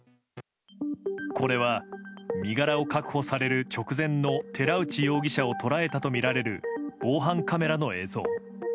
これは、身柄を確保される直前の寺内容疑者を捉えたとみられる防犯カメラの映像。